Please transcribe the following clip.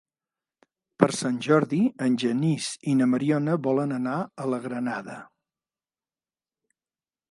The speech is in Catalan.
Per Sant Jordi en Genís i na Mariona volen anar a la Granada.